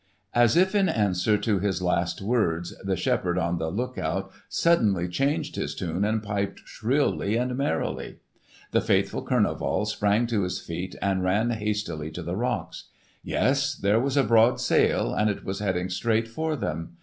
As if in answer to his last words, the shepherd on the lookout suddenly changed his tune and piped shrilly and merrily. The faithful Kurneval sprang to his feet and ran hastily to the rocks. Yes, there was a broad sail and it was heading straight for them.